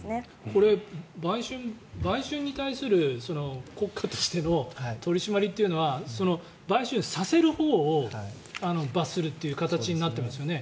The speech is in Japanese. これ、売春に対する国家としての取り締まりというのは売春させるほうを罰するという形になってますよね。